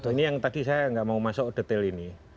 ini yang tadi saya nggak mau masuk detail ini